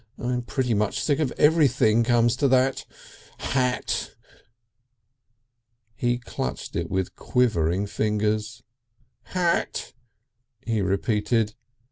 I'm pretty near sick of everything, comes to that.... Hat!" He clutched it with quivering fingers. "Hat!" he repeated.